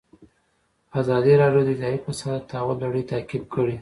ازادي راډیو د اداري فساد د تحول لړۍ تعقیب کړې.